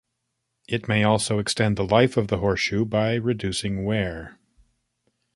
It may also extend the life of the horseshoe by reducing wear.